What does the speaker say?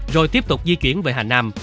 rồi tiếp tục di chuyển về hà nam